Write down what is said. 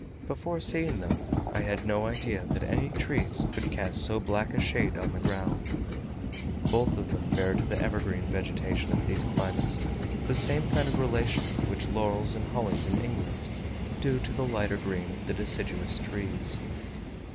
Before seeing them, I had no idea that any trees could cast so black a shade on the ground. Both of them bear to the evergreen vegetation of these climates the same kind of relation which laurels and hollies in England do to the lighter green of the deciduous trees.